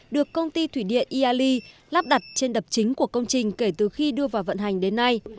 được công ty thủy điện iali lắp đặt trên đập chính của công trình kể từ khi đưa vào vận hành đến nay